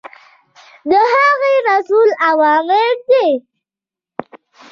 د هغه رسول اوامر دي.